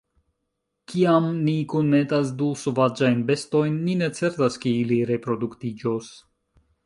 Kiam ni kunmetas du sovaĝajn bestojn, ni ne certas, ke ili reproduktiĝos.